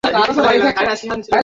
সেজন্য কী করবো বুঝতে পারছি না।